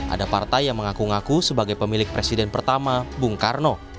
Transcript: ada partai yang mengaku ngaku sebagai pemilik presiden pertama bung karno